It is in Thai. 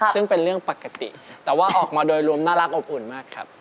ซึ่งเป็นเรื่องปกติแต่ว่าออกมาโดยรวมน่ารักอบอุ่นมากครับ